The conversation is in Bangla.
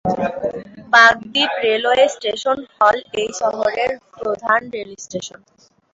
কাকদ্বীপ রেলওয়ে স্টেশন হল এই শহরের প্রধান রেল স্টেশন।